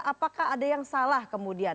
apakah ada yang salah kemudian